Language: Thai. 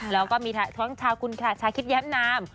แล้วก็มีชาวคุณชาคิตแย่มนาม